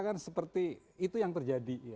kan seperti itu yang terjadi